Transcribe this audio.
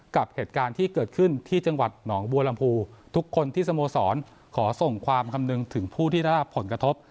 กับเหตุการณ์ที่เกิดขึ้นที่จังหวัดหนองบัวลำพูทุกคนที่สโมสรขอส่งความคำนึงถึงผู้ที่ได้รับผลกระทบ